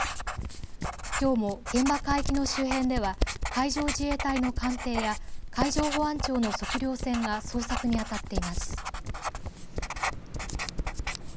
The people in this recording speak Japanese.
きょうも現場海域の周辺では海上自衛隊の艦艇や海上保安庁の測量船が捜索に当たっています。